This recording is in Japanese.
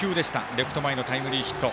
レフト前のタイムリーヒット。